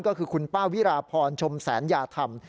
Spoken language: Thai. ก็คือคุณป้าวิราพรชมแสนยาธรรม